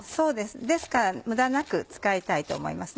ですから無駄なく使いたいと思います。